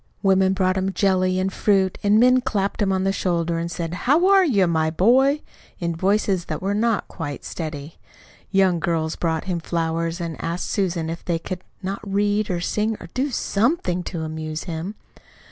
Women brought him jelly and fruit, and men clapped him on the shoulder and said, "How are you, my boy?" in voices that were not quite steady. Young girls brought him flowers, and asked Susan if they could not read or sing or do SOMETHING to amuse him.